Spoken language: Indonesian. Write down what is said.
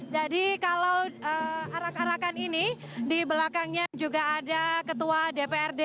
jadi kalau arak arakan ini di belakangnya juga ada ketua dprd